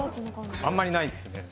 あんまりないですね。